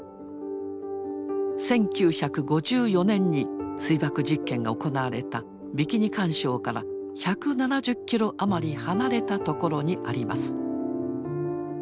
１９５４年に水爆実験が行われたビキニ環礁から１７０キロ余り離れた所にあります。